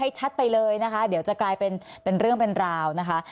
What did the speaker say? ชัดไปเลยนะคะเดี๋ยวจะกลายเป็นเรื่องเป็นราวนะคะ